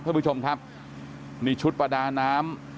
ท่านผู้ชมครับมีชุดประดาน้ำ